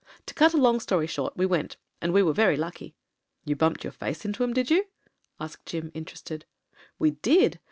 "To cut a long story short, we went. And we were very lucky." "You biunped your face into 'em, did you?" asked Jim, interested. "We did.